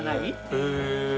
へえ！